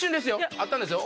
あったんですよ